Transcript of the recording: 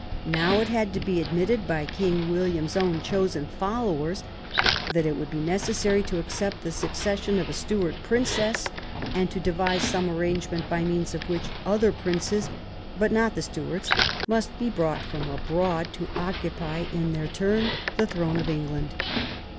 Now it had to be admitted by King William's own chosen followers that it would be necessary to accept the suc cession of a Stuart princess, and to devise some arrange ment by means of which other princes, but not the Stuarts, must be brought from abroad to occupy in their turn the throne of England.